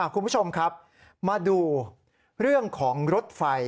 คุณผู้ชมครับมาดูเรื่องของรถไฟ